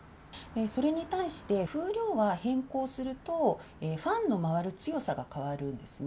それに対して、風量は変更すると、ファンの回る強さが変わるんですね。